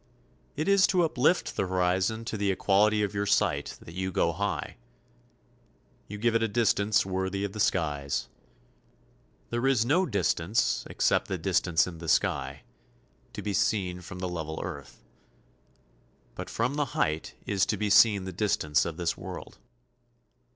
It is to uplift the horizon to the equality of your sight that you go high. You give it a distance worthy of the skies. There is no distance, except the distance in the sky, to be seen from the level earth; but from the height is to be seen the distance of this world.